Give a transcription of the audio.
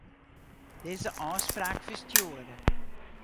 Dizze ôfspraak ferstjoere.